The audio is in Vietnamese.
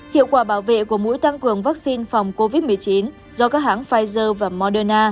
hiệu quả bảo vệ của mũi tăng cường vaccine phòng covid một mươi chín do các hãng pfizer và moderna